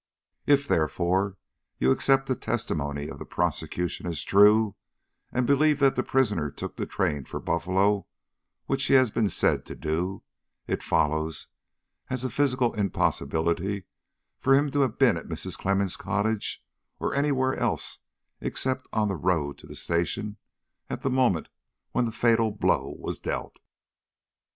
If, therefore, you accept the testimony of the prosecution as true, and believe that the prisoner took the train for Buffalo, which he has been said to do, it follows, as a physical impossibility, for him to have been at Mrs. Clemmens' cottage, or anywhere else except on the road to the station, at the moment when the fatal blow was dealt.